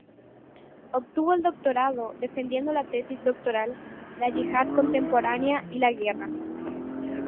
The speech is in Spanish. Obtuvo el doctorado defendiendo la tesis doctoral "La Yihad contemporánea y la guerra".